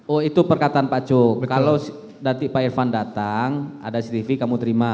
oh itu perkataan pak cuk kalau nanti pak irfan datang ada cctv kamu terima